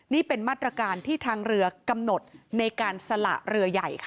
นี่เป็นมาตรการที่ทางเรือกำหนดในการสละเรือใหญ่ค่ะ